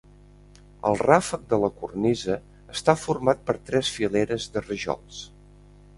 El ràfec de la cornisa està format per tres fileres de rajols.